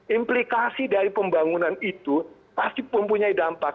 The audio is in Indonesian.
implikasi dari pembangunan itu pasti mempunyai dampak